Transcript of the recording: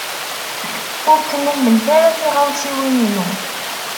Ur ttnalemt ara tiɣawsiwin-inu!